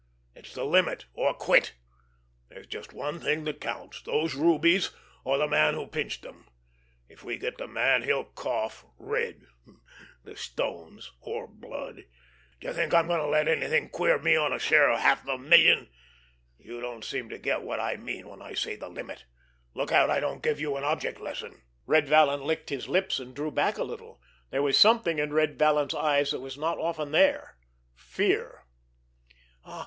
It's the limit, or quit! There's just one thing that counts—those rubies, or the man who pinched them. If we get the man, he'll cough—red—the stones, or blood. Do you think I'm going to let anything queer me on my share of half a million? You don't seem to get what I mean when I say the limit. Look out I don't give you an object lesson!" Red Vallon licked his lips, and drew back a little. There was something in Red Vallon's eyes that was not often there—fear.